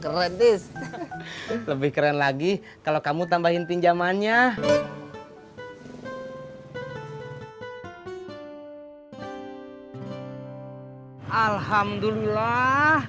keredis lebih keren lagi kalau kamu tambahin pinjamannya alhamdulillah